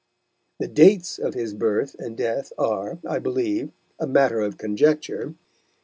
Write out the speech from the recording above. The dates of his birth and death are, I believe, a matter of conjecture.